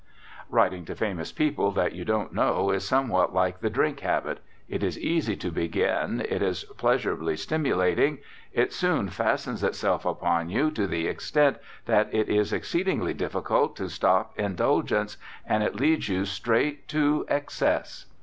Writing to famous people that you don't know is somewhat like the drink habit. It is easy to begin; it is pleasurably stimulating; it soon fastens itself upon you to the extent that it is exceedingly difficult to stop indulgence and it leads you straight to excess.